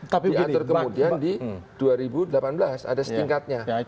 tapi diatur kemudian di dua ribu delapan belas ada setingkatnya